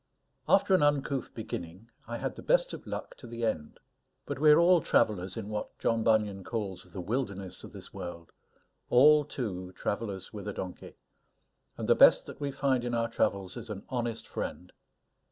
After an uncouth beginning, I had the best of luck to the end. But we are all travellers in what John Bunyan calls the wilderness of this world all, too, travellers with a donkey; and the best that we find in our travels is an honest friend.